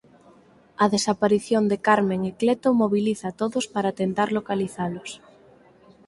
A desaparición de Carmen e Cleto mobiliza a todos para tentar localizalos.